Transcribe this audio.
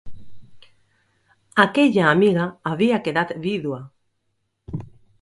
Aquella amiga havia quedat vídua.